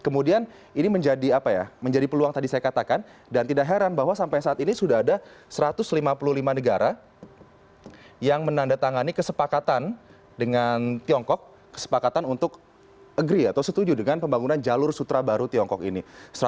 kemudian ini menjadi peluang tadi saya katakan dan tidak heran bahwa sampai saat ini sudah ada satu ratus lima puluh lima negara yang menandatangani kesepakatan dengan tiongkok kesepakatan untuk agree atau setuju dengan pembangunan jalur sutra baru tiongkok ini